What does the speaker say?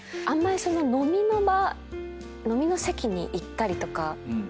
あんまり飲みの場飲みの席に行ったりとか。